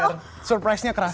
nanti biar surprise nya kerasa